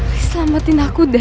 selamatin aku dad